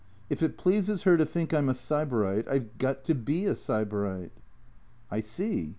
If it pleases her to think I 'm a Sybarite I 've got to be a. Sybarite." " I see.